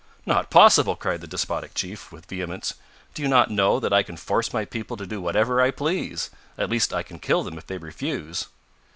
"Not possible!" cried the despotic chief, with vehemence. "Do you not know that I can force my people to do whatever I please? at least I can kill them if they refuse."